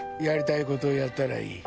やりたいことやったらいい。